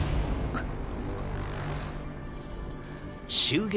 あっ。